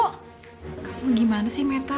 kamu gimana sih meta